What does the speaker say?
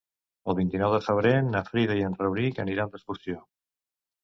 El vint-i-nou de febrer na Frida i en Rauric aniran d'excursió.